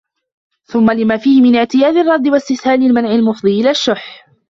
ثُمَّ لِمَا فِيهِ مِنْ اعْتِيَادِ الرَّدِّ وَاسْتِسْهَالِ الْمَنْعِ الْمُفْضِي إلَى الشُّحِّ